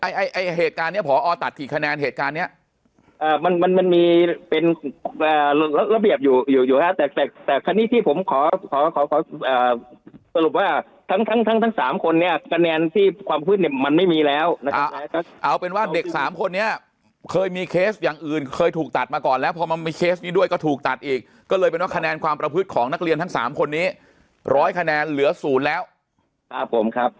มีเป็นระเบียบอยู่อยู่อยู่ฮะแต่แต่แต่คันนี้ที่ผมขอสรุปว่าทั้งทั้งทั้งทั้ง๓คนเนี่ยคะแนนที่ความประพฤติมันไม่มีแล้วนะครับเอาเป็นว่าเด็ก๓คนเนี่ยเคยมีเคสอย่างอื่นเคยถูกตัดมาก่อนแล้วพอมันมีเคสนี้ด้วยก็ถูกตัดอีกก็เลยเป็นว่าคะแนนความประพฤติของนักเรียนทั้ง๓คนนี้ร้อยคะแนนเหลือศูนย์แล้วครับ